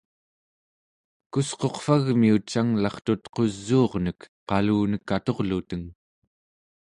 kusquqvagmiut canglartut qusuurnek qalunek aturluteng